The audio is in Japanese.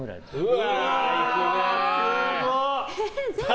うわ！